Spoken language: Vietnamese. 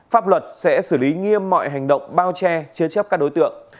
pháp luật sẽ xử lý nghiêm mọi hành động bao che chế chấp các đối tượng